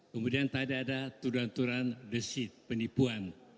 kemudian tadi ada tudanturan desid penipuan